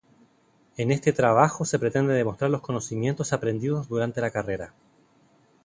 En este trabajo se pretende demostrar los conocimientos aprendidos durante la carrera.